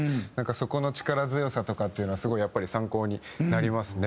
そこの力強さとかっていうのはすごい参考になりますね。